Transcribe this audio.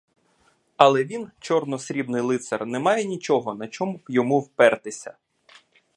Але він, чорно срібний лицар, не має нічого, на чому б йому впертися.